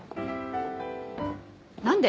何で？